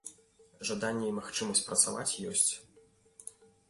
Жаданне і магчымасць працаваць ёсць.